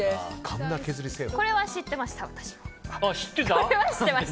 これは知ってました、私も。